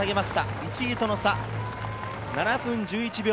１位との差は７分１１秒。